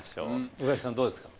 宇垣さんどうですか？